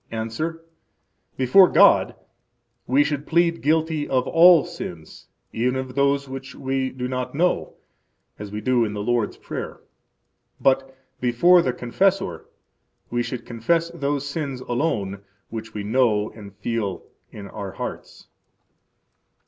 –Answer: Before God we should plead guilty of all sins, even of those which we do not know, as we do in the Lord's Prayer. But before the confessor we should confess those sins alone which we know and feel in our hearts.